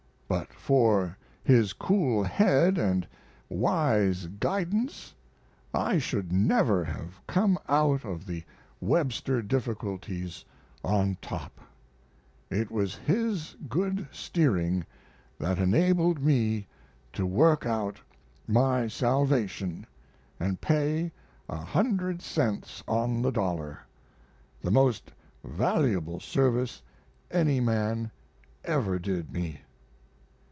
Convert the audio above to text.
But for his cool head and wise guidance I should never have come out of the Webster difficulties on top; it was his good steering that enabled me to work out my salvation and pay a hundred cents on the dollar the most valuable service any man ever did me.